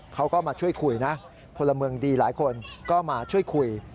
เขาก็มาช่วยคุยนะพลเมืองดีหลายคนก็มาช่วยคุย